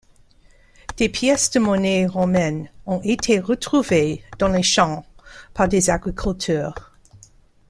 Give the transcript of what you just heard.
Des pièces de monnaie romaine ont été retrouvées dans les champs par des agriculteurs.